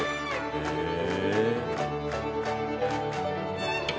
へえ。